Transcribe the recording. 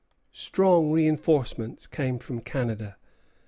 Strong reinforcements came from Canada.